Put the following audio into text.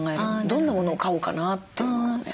どんなものを買おうかなって思うね。